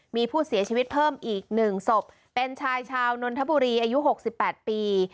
มีผู้เสียชีวิตเพิ่มอีก๑ศพเป็นชายชาวนนทบุรีอายุ๖๘ปี